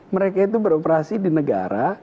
mereka itu beroperasi di negara